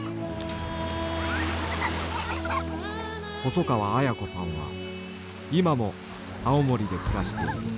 細川綾子さんは今も青森で暮らしている。